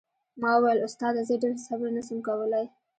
ما وويل استاده زه ډېر صبر نه سم کولاى.